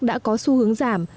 đã có xu hướng giảm